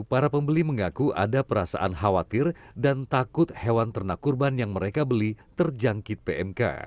para pembeli mengaku ada perasaan khawatir dan takut hewan ternak kurban yang mereka beli terjangkit pmk